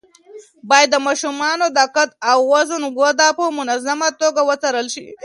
باید د ماشومانو د قد او وزن وده په منظمه توګه وڅارل شي.